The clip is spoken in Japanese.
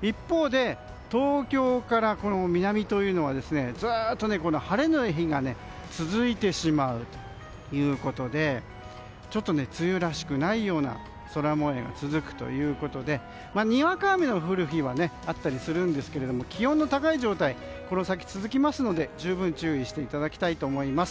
一方で東京から南というのはずっと晴れの日が続いてしまうということで梅雨らしくないような空模様が続くということでにわか雨が降る日はあったりするんですが気温の高い状態がこの先続きますので十分注意していただきたいと思います。